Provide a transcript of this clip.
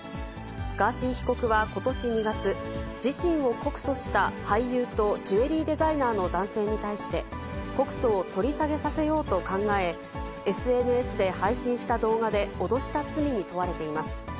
ガーシー被告はことし２月、自身を告訴した俳優とジュエリーデザイナーの男性に対して、告訴を取り下げさせようと考え、ＳＮＳで配信した動画で脅した罪に問われています。